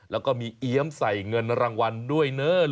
แล้วก็มีเอี๊ยมใส่เงินรางวัลด้วยเนิ่น